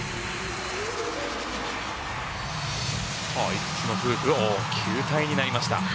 ５つのフープが球体になりました。